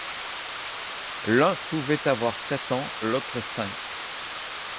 L’un pouvait avoir sept ans, l’autre cinq.